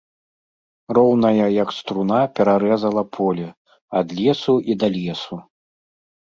Роўная, як струна, перарэзала поле, ад лесу і да лесу.